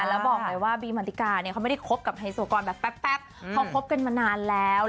แล้วบอกเลยว่าบีมันติกาเนี่ยเขาไม่ได้คบกับไฮโซกรแบบแป๊บเขาคบกันมานานแล้ว